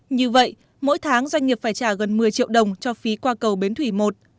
như vậy mỗi tháng doanh nghiệp phải trả gần một mươi triệu đồng cho phí qua cầu bến thủy một